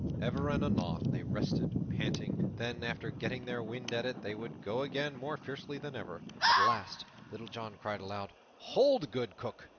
Ever and anon they rested, panting; then, after getting their wind, at it they would go again more fiercely than ever. At last Little John cried aloud, "Hold, good Cook!"